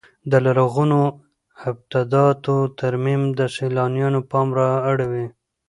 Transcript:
د لرغونو ابداتو ترمیم د سیلانیانو پام را اړوي.